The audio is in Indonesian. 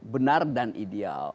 benar dan ideal